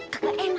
gak enak dulu